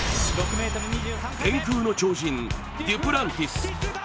天空の超人、デュプランティス。